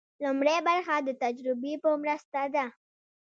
لومړۍ برخه د تجربې په مرسته ده.